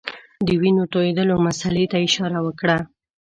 د وینو تویېدلو مسلې ته اشاره وکړه.